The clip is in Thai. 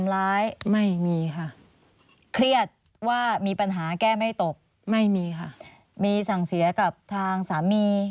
ร้ายไม่มีค่ะเครียดว่ามีปัญหาแก้ไม่ตกไม่มีค่ะมีสั่งเสียกับทางสามี